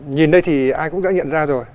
nhìn đây thì ai cũng đã nhận ra rồi